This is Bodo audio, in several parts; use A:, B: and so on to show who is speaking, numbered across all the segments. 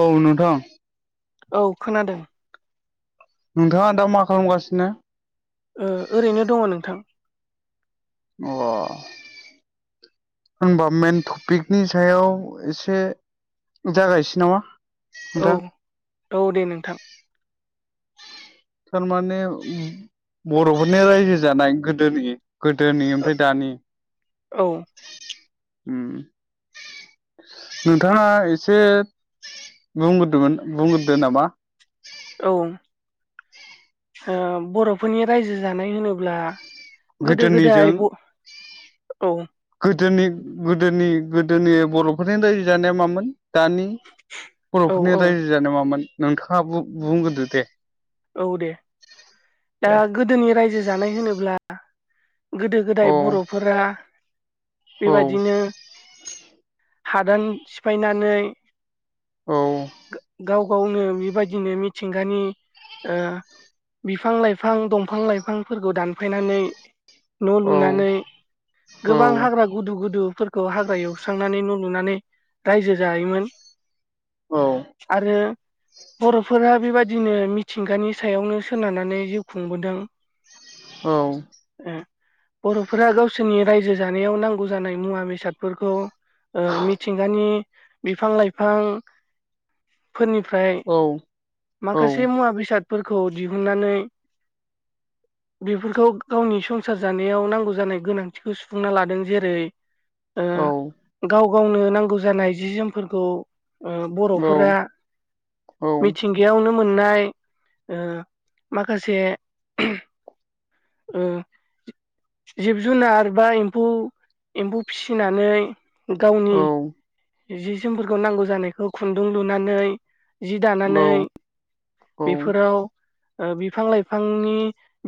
A: औ नोंथां
B: औ खोनादों
A: नोंथाङा दा मा खालामगासिनो?
B: ओ ओरैनो दङ नोंथां।
A: अ होमबा मेन थफिखनि सायाव एसे जागायसै नामा?
B: औ
A: नोंथां
B: औ दे नोंथां।
A: थारमाने बर'फोरनि रायजो जानाय गोदोनि गोदोनि ओमफ्राय दानि
B: औ औ
A: उम नोंथाङा एसे बुंग्रदोमोन बुंग्रोदो नामा।
B: औ ओ बरफोरनि रायजो जानाय होनोब्ला गोदो गोदाय
A: गोदोनिजों
B: ब औ
A: गोदोनि गोदोनि गोदोनि बर'फोरनि रायजो जानाया मामोन दानि
B: औ
A: बर'फोरनि
B: औ
A: रायजो जानाया मामोन नोंथाङा बु-बुंग्रोदो दे।
B: औ दे दा
A: दे
B: गोदोनि रायजो जानाय होनोब्ला गोदो
A: औ
B: गोदाय बर'फोरा
A: औ
B: बेबादिनो हादान सिफायनानै
A: औ
B: गाव गावनो बेबायदिनो मिथिंगानि ओ बिफां लाइफां दंफां लाइफांफोरखौ दानफायनानै न' लुनानै
A: औ
B: गोबां
A: औ
B: हाग्रा गुदु गुदु फोर खौ हाग्रा एवस्रांनानै न' लुनानै रायजो जायोमोन।
A: औ
B: आरो बर'फोरा बेबायदिनो मि थिंगानि सायावनो सोनारनानै जिउ खुंबोदों। ओ बर'फोरा गावसोरनि रायजो जानायाव नांगौ जानाय मुवा बेसादफोरखौ ओ मिथिंगानि बिफां लाइफां फोरनिफ्राय माखासे मुवा बेसादफोरखौ दिहुननानै
A: [unintelligible] [inaudible]
B: बेफोरखौ गावनि संसार जानायाव नांगौ जानाय गोनांथिखौ सुफुंना लादों। जेरै ओ गाव गावनो नांगौ जानाय जि जोमफोरखौ उम बर'फोरा मिथिंगायावनो मोननाय उम माखासे उम जिब जुनार बा एम्फौ एम्फौ फिसिनानै गावनि जि जोमफोरखौ नांगौ जानायखौ खुन्दुं लुनानै जि दानानै बेफोराव ओ बिफां लाइफांनि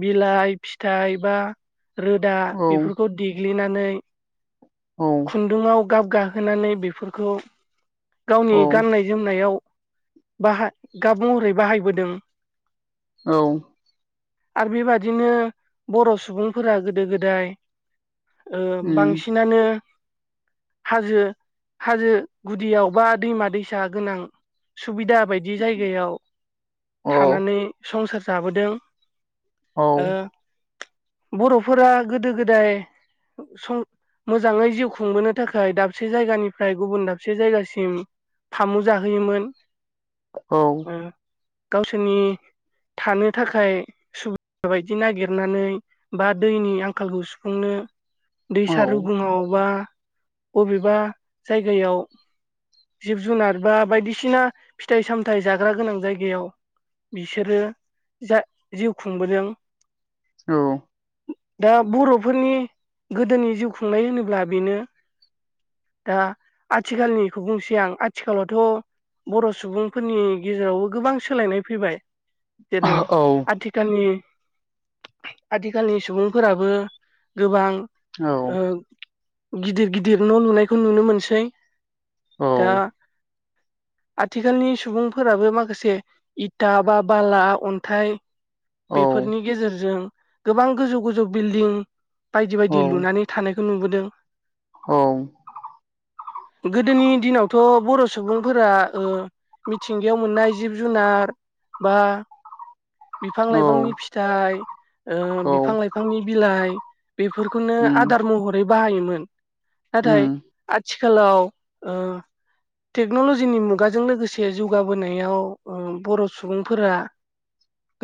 B: बिलाइ फिथाइ बा रोदा बेफोरखौ देग्लिनानै खुन्दुंङाव गाब गाहोनानै बे फोरखौ गावनि गाननाय जोमनायाव बाहा गाब मरै बाहायबोदों
A: औ।
B: आरो बेबादिनो बर' सुबुंफोरा गोदो गोदाय ओ बांसिनानो हाजो हाजो गुदियाव बा दैमा दैसा गोनां सुबिदा बायदि जायगायाव थानानै संसार जाबोदों ओ बर'फोरा गोदो गोदाय सं मोजाङै जिउ खुंबोनो थाखाय दाबसे जायगानि फ्राय गुबुन दाबसे जायगासिम फामु जाहोयोमोन।
A: औ
B: ओ गावसोरनि थानो थाखाय सुबिदा बायदि नागिरनानै बा दैनि आंखालखौ सुफुंनो दैसा
A: औ
B: रुगुंङाव बा बबेबा जायगायाव जिब जुनार बा बायदिसिना फिथाइ सामथायाइ जाग्रा गोनां जायगायाव बिसोरो जा जिउ खुंबोदों
A: औ
B: दा बर'फोरनि गोदोनि जिउ खुंनाय होनोब्ला बेनो दा आथिखालनिखौ बुंसै आं आथिखालावथ' बर' सुबुंफोरनि गेजेरावबो गोबां सोलायनाय फैबाय जेरै आथि गामि आथिखालनि सुबुंफोराबो गोबां ओ गिदिर गिदिर न' लुनायखौ नुनो मोनसै। दा आथिखालनि सुबुंफोराबो माखासे इथा बा बाला अन्थाइ बेफोरनि गेजेरजों गोबां गोजौ गोजौ बिल्डिं बायदि बायदि लुनानै थानाय खौ नुबोदों।
A: औ
B: गोदोनि दिनावथ बर' सुबुंफोरा ओ मिथिंगायाव मोननाय जिब जुनार बा बिफां लाइफांनि फिथाइ ओ बिफां लाइफांनि बिलाइ बेफोरखौनो आदार महरै बाहायोमोन। नाथाय आथिखालाव ओ टेक्न'लजिनि मुगाजों लोगोसे जौगाबोनायाव ओ बर' सुबुंफोरा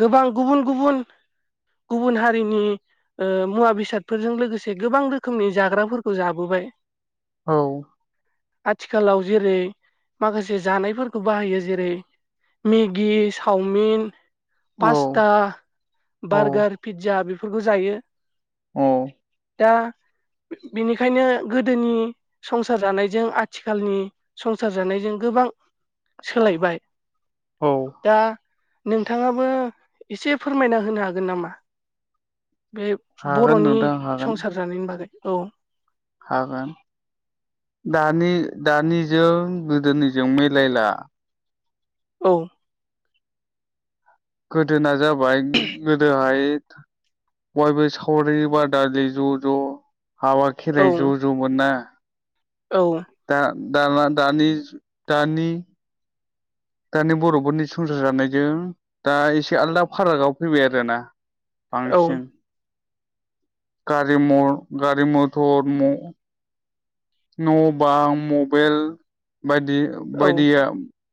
B: गोबां गुबुन गुबुन गुबुन हारिनि ओ मुवा बेसादफोरजों लोगोसे गोबां रोखोमनि जाग्राफोरखौ जाबोबाय
A: औ
B: आथिखालाव जेरै माखासे जानायफोरखौ बाहायो जेरै मेगि चावमिन फासथा बार्गार पिज्जा बेफोरखौ जायो
A: अ
B: दा बेनिखायनो गोदोनि संसार जानायजों आथिखालनि संसार जानायजों गोबां सोलायबाय दा नोंथाङाबो एसे फोरमायना होनो हागोन नामा बे
A: हागोन
B: बर'नि
A: नोंथां
B: संसार जानायनि बागै औ
A: हागा दानि दानिजों गोदोनिजों मिलायला
B: औ
A: गोदोना जाबाय गोदोहाय बयबो सावरि बादालि ज' ज' हाबा
B: औ
A: खेराइ ज' ज' दंमोनना
B: औ
A: दा दाना दानि दानि दानि बर'फोरनि संसार जानायजों दा एसे आलादा फारागआव फैबाय आरोना
B: औ
A: बांसिन गारि म गारि मथर म न' बां मबेल बायदि
B: औ
A: बायदिया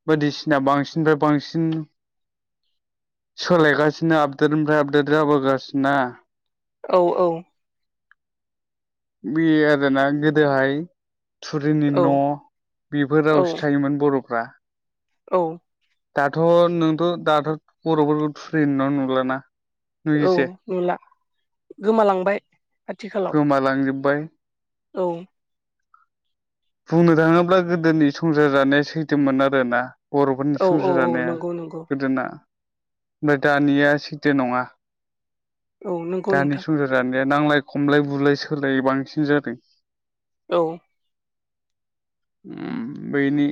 A: बायदिसिना बांसिननिफ्राय बांसिन सोलायगासिनो आपडेटनिफ्राय आपडेट जाबोगासिनोना
B: औ औ
A: बे आरोना गोदोहाय थुरिनि
B: औ
A: न' बेफोरावसो
B: औ
A: थायोमोन बरफ्रा
B: औ
A: दाथ' नोंथ' दाथ' बर'फोरखौ थुरि न' नुलाना
B: औ
A: नुयोसै
B: नुला गोमालांबाय आथिखालाव
A: लांजोबबाय
B: औ
A: बुंनो थाङोब्ला गोदोनि संसार जानाया सैथोमोन आरो ना बर'फोरनि
B: औ औ
A: संसार
B: औ
A: जानाया
B: नंगौ नंगौ
A: गोदोना ओमफ्राय दानिया सैथो नङा
B: औ नंगौ
A: दानि
B: नोंथां
A: संसार जानाया नांलाय खमलाय बुलाय सोलाय बांसिन जादों
B: औ
A: बेैनि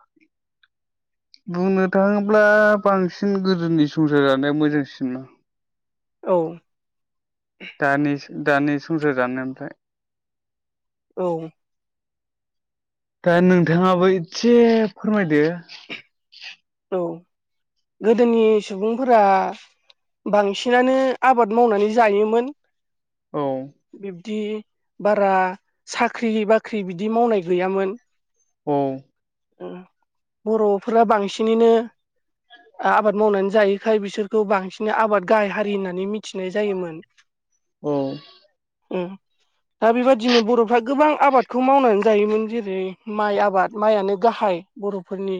A: [inaudible] बुंनो थाङोब्ला बांसिन गोदोनि संसार जानाया मोजांसिन मोन
B: औ
A: दानि दानि संसार जानाय निफ्राय
B: औ
A: दा नोंथाङाबो एसे फोरमायदो
B: औ गोदोनि सुबुंफोरा बांसिनानो आबाद मावनानै जायोमोन।
A: औ।
B: बिब्दि बारा साख्रि बाख्रि बिदि मावनाय गैयामोन।
A: औ।
B: बर'फोरा बांसिनैनो आबाद मावनानै जायैखाय बिसोरखौ बांसिन आबाद गाहाय हारि होननानै मिथिनाय जायोमोन। [unintelligible]
A: औ।
B: ओम। दा बेबायदिनो बर'फ्रा गोबां आबादखौ मावनानै जायोमोन जेरै माइ आबाद माइयानो गाहाय बर'फोरनि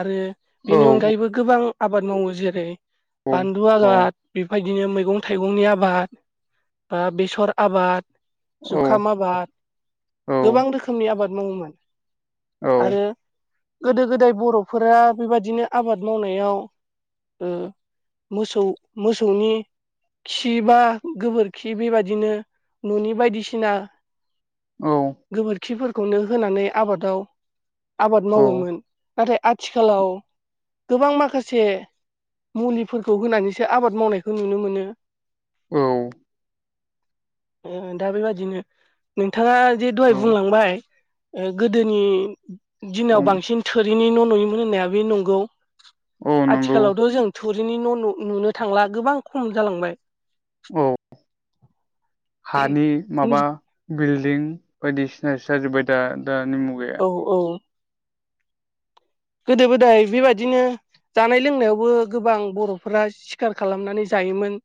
B: आरो
A: औ
B: बेनि अनगायैबो गोबां आबाद मावो जेरै
A: औ
B: बानलु
A: औ
B: आगाद बेबायदिनो मैगं थाइगंनि आबाद बा बेसर आबाद
A: औ
B: जुखाम आबाद
A: औ
B: गोबां रोखोमनि आबाद मावोमोन
A: औ
B: आरो गोदो गोदाय बर'फोरा बेबायदिनो आबाद मावनायाव ओ मोसौ मोसौनि खि बा गोबोरखि बेबादिनो न'नि बायदिसिना गोबोरखिफोरखौनो होनानै आबादाव आबाद
A: औ
B: मावोमोन। नाथाय आथिखालाव गोबां माखासे मुलिफोरखौ होनानैसो आबाद मावनायखौ नुनो मोनो।
A: औ।
B: [inaudible] ओ दा बेबादिनो नोंथाङा जे दहाय बुंलांबाय गोदोनि दिनाव बांसिन थोरिनि न' नुयोमोन होननाया बे नंगौ।
A: औ नंगौ
B: आथिखालावथ' जों थुरिनि न' नुनो थांला गोबां खम जालांबाय।
A: औ हानि माबा बिल्डिं बायदिसिनासो जाजोब्बाय दा दानि मुगायाव।
B: औ-औ! गोदो गोदाय बेबादिनो जानाय लोंनायावबो गोबां बर'फोरा सिखार खालामनानै जायोमोन।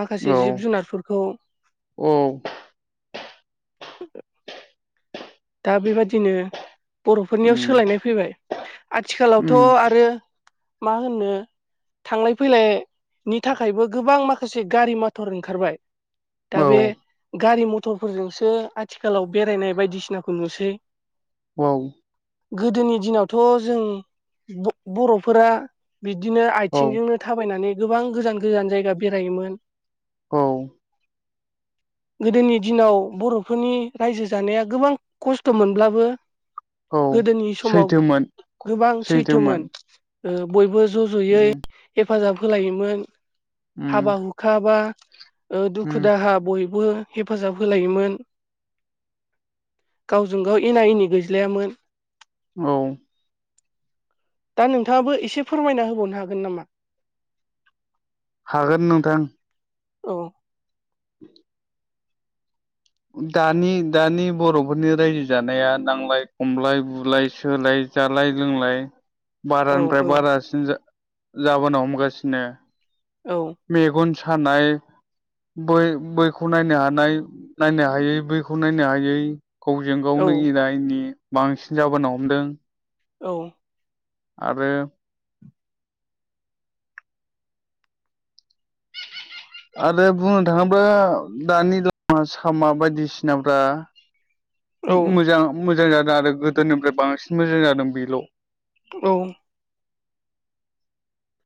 B: माखासे
A: औ
B: जिब जुनारफोरखौ [inaudible]
A: औ
B: दा बेबादिनो बर'फोरनियाव
A: उम
B: सोलायनाय फैबाय
A: उम
B: आथिखालावथ' आरो मा होनो थांलाय फैलायनि थाखायबो गोबां माखासे गारि मथर ओंखारबाय। दा
A: औ
B: बे गारि मथरफोरजोंसो आथिखालाव बेरायनाय बायदिसिनाखौ नुसै।
A: औ।
B: गोदोनि दिनावथ' जों बर'फोरा बिदिनो
A: औ
B: आथिंजोंनो थाबायनानै गोबां गोजान गोजान जायगा बेरायोमोन।
A: औ।
B: गोदोनि दिनाव बर'फोरनि रायजो जानाया गोबां खस्थ' मोनब्लाबो
A: औ
B: गोदोनि समाव
A: सैथोमोन
B: गोबां सैथोमोन। ओ बयबो ज' ज'यै
A: उम
B: हेफाजाब होलायोमोन
A: उम
B: हाबा हुखा खा बा दुखु
A: उम
B: दाहा बयबो हेफाजाब होलायोमोन। गावजों गाव एना एनि गैज्लायामोन।
A: औ
B: दा नोंथाङाबो एसे फोरमायना होबावनो हागोन नामा
A: हागोन नोंथां।
B: औ
A: दानि दानि बर'फोरनि रायजो जानाया नांलाय खमलाय बुलाय सोलाय जालाय लोंलाय
B: औ
A: बारानिफ्राय
B: औ
A: बारासिन जा जाबोनो हमगासिनो
B: औ
A: मेगन सानाय बै बैखौ नायनो हानाय नायनो हायै बैखौ नायनो हायै गावजों
B: औ
A: गावनो एना एनि बांसिन जाबोनो हमदों
B: औ
A: आरो आरो बुंनो थाङोब्ला दानि लामा सामा बायदिसिनाफ्रा
B: औ
A: मोजां मोजां जादों आरो गोदोनिफ्राय बांसिन मोजां जादों बेल'
B: औ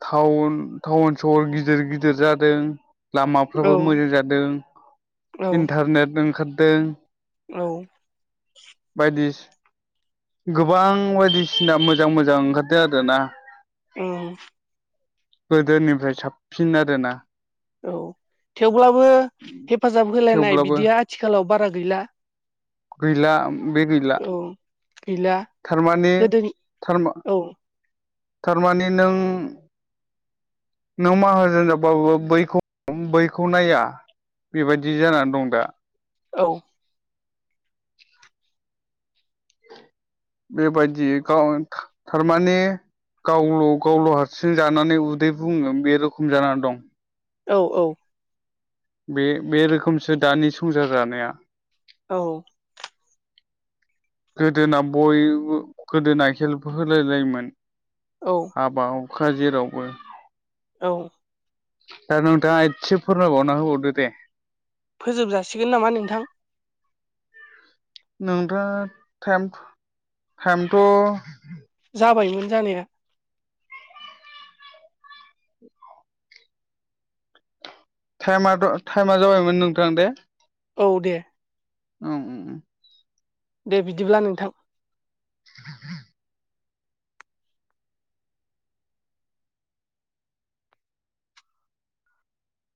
A: टाउन टाउन सहर गिदिर गिदिर जादों लामाफ्राबो मोजां जादों
B: औ
A: इन्टारनेट ओंखारदों
B: औ
A: बायदिस गोबां बायदिसिना मोजां मोजां ओंखारदों आरोना
B: ओ
A: गोदोनिफ्राय साबसिन आरोना
B: औ थेवब्लाबो हेफाजाब होलायनाय
A: थेवब्लाबो
B: बिदिया आथिखालाव बारा गैला
A: गैला बे गैला
B: औ गैला
A: थारमाने
B: गोदोनि
A: थारमा
B: औ
A: थारमाने नों नों माहाजोन जाबाबो बैखौ बैखौ नाया बेबायदि जानानै दं दा
B: औ
A: बेबायदि गाव था थारमाने गावल' गावल'हारसिं जानानै उदै बुंगोन बे रोखोम जाना दं
B: औ औ
A: बे बे रोखोमसो दानि संसार जानाया
B: औ
A: गोदोना बयबो गोदोना हेल्फ होलायलायोमोन
B: औ
A: हाबा हुखा जेरावबो
B: औ
A: दा नोंथाङा एसे फोरमायबावना होबावदो दे
B: फोजोबजासिगोन नामा नोंथां
A: नोंथाङा टाइम टाइमथ'
B: जाबायमोन जानाया
A: टाइमाथ' टाइमा जाबायमोन नोंथां दे
B: औ दे
A: ओम ओम
B: दे बिदिब्ला नोंथां।
A: [unintelligible]